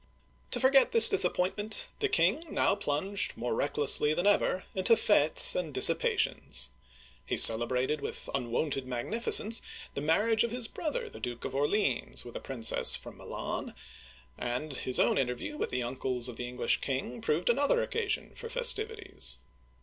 To forget this disappointment, the king now plunged more recklessly than ever into f^tes and dissipations. He celebrated with unwonted magnificence the marriage of his brother, the Duke of Orleans, with a princess from Milan, and his own interview with the uncles of the English king proved another occasion for festivities.